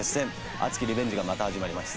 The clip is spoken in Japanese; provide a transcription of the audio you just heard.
熱きリベンジがまた始まります。